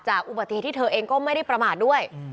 อุบัติเหตุที่เธอเองก็ไม่ได้ประมาทด้วย